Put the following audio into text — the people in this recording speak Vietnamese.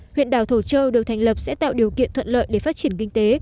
huyện đảo thổ châu được thành lập sẽ tạo điều kiện thuận lợi để phát triển kinh tế